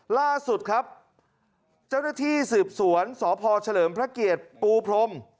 ล่าสุดครับเจ้าหน้าที่สืบสวนสพเฉลิมพระเกียรติปูพรม